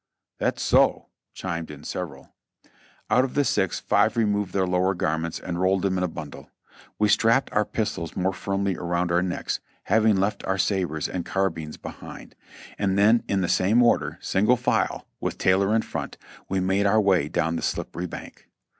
"That's so," chimed in several. Out of the six, five removed their lower garments and rolled them in a bundle. We strapped our pistols more firmly around our necks, having left our sabres and carbines behind; and then in the same order, single file, with Taylor in front, we made our way down the slippery bank.